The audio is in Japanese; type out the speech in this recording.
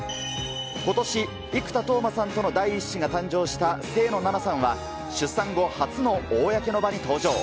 ことし、生田斗真さんとの第１子が誕生した清野菜名さんは、出産後初の公の場に登場。